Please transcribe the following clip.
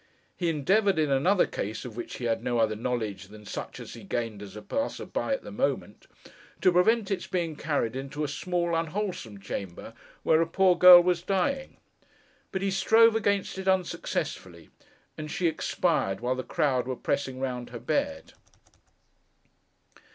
He endeavoured, in another case of which he had no other knowledge than such as he gained as a passer by at the moment, to prevent its being carried into a small unwholesome chamber, where a poor girl was dying. But, he strove against it unsuccessfully, and she expired while the crowd were pressing round her bed.